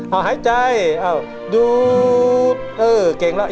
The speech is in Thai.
เอาหายใจอ้าวดูเออเก่งแล้ว